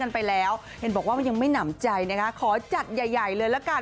ไปแล้วเห็นบอกว่ามันยังไม่หนำใจนะคะขอจัดใหญ่ใหญ่เลยละกัน